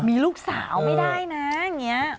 มีลูกสาวไม่ได้นะอย่างนี้